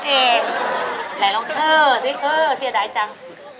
เฮ้อเศรียดายจัง